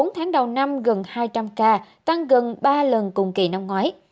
bốn tháng đầu năm gần hai trăm linh ca tăng gần ba lần cùng kỳ năm ngoái